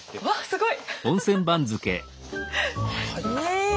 すごい！え！